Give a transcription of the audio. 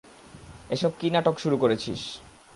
এসব কী নাটক শুরু করেছিস?